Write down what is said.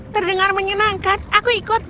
terdengar menyenangkan aku ikut